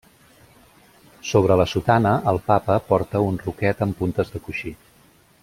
Sobre la sotana el Papa porta un roquet amb puntes de coixí.